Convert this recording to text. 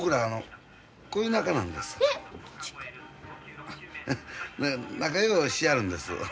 あのこういう仲なんです。